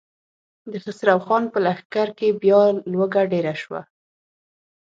د خسرو خان په لښکر کې بيا لوږه ډېره شوه.